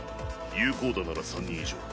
有効打なら３人以上。